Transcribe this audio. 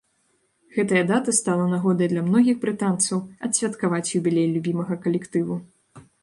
Гэтая дата стала нагодай для многіх брытанцаў адсвяткаваць юбілей любімага калектыву.